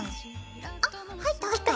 あ入った入った。